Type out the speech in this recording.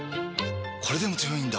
これでも強いんだ！